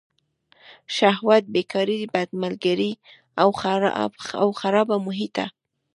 شهوت، بېکاري، بد ملګري او خرابه محیطه.